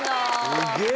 すげえ。